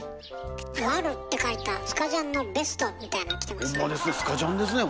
「ワル」って書いたスカジャンのベストみたいの着てますね。